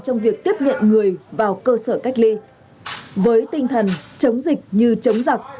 trong việc tiếp nhận người vào cơ sở cách ly với tinh thần chống dịch như chống giặc